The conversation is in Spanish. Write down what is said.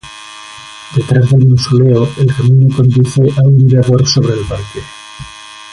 Detrás del mausoleo, el camino conduce a un mirador sobre el parque.